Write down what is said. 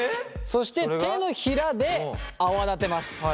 そして手のひらで泡立てます。